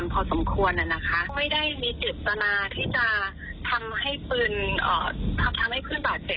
ตามหักฐานตามข้อด้วยจริงที่ครบ